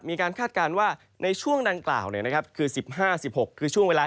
คาดการณ์ว่าในช่วงดังกล่าวคือ๑๕๑๖คือช่วงเวลา